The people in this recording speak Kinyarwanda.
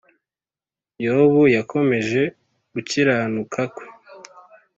yobu yakomeje gukiranuka kwe